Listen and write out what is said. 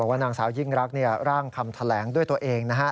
ว่านางสาวยิ่งรักร่างคำแถลงด้วยตัวเองนะฮะ